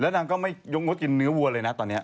แล้วนางก็ไม่ยกมุตตกินเนื้อวัวเลยนะตอนเนี่ย